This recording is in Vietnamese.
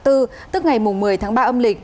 tức ngày một mươi tháng ba âm lịch